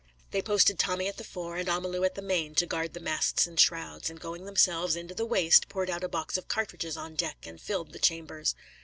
They posted Tommy at the fore and Amalu at the main to guard the masts and shrouds, and going themselves into the waist, poured out a box of cartridges on deck and filled the chambers.